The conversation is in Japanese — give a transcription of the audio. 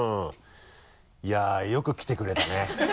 いやよく来てくれたね。